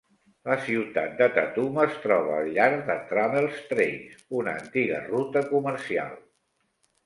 La ciutat de Tatum es troba al llarg de Trammel's Trace, una antiga ruta comercial.